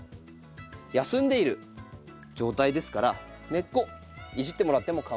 休んでいる状態ですから根っこいじってもらってもかまいません。